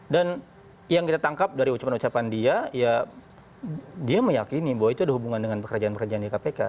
dan yang kita tangkap dari ucapan ucapan dia ya dia meyakini bahwa itu ada hubungan dengan pekerjaan pekerjaan di kpk